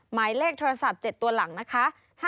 หมายเลขโทรศัพท์๗ตัวหลังนะคะ